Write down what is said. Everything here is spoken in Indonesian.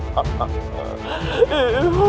dan sanggup mengiannya